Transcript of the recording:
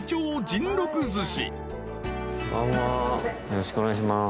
よろしくお願いします。